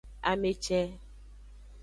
Ame ce.